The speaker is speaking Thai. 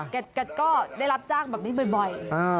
แกก็ได้รับจ้างแบบนี้บ่อย